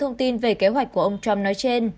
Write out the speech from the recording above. thông tin về kế hoạch của ông trump nói trên